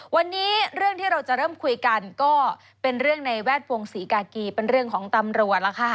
วันนี้เรื่องที่เราจะเริ่มคุยกันก็เป็นเรื่องในแวดวงศรีกากีเป็นเรื่องของตำรวจล่ะค่ะ